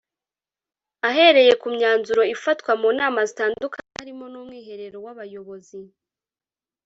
Ahereye ku myanzuro ifatwa mu nama zitandukanye harimo n’Umwiherero w’abayobozi